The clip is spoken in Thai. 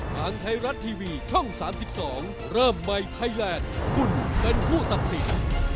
ทางไทยรัฐทีวีช่อง๓๒เริ่มใหม่ไทยแลนด์คุณเป็นผู้ตัดสิน